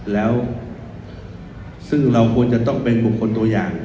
แล้วซึ่งเราควรจะต้องเป็นบุคคลตัวอย่าง